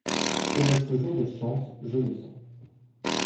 C’est notre jour de chance, je le sens.